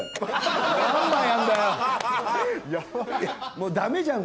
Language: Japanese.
もうダメじゃん！